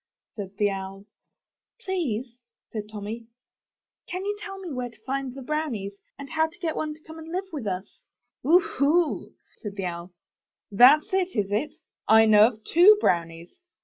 '' said the Owl. 'Tlease," said Tommy, *'can you tell me where to find the brownies, and how to get one to come and live with us?" '^Oohoo!" said the Owl, ''that's it, is it? I know of two brownies."